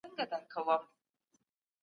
سیاستوالو د سیاست پر علمي والي شک ونه ښود.